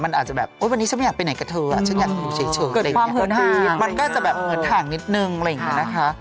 มันก็จะเหมือนทางนิดนึงอะไรอย่างนี้นะคะ